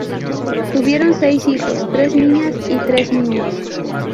Tuvieron seis hijos, tres niñas y tres niños.